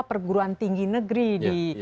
perguruan tinggi negeri di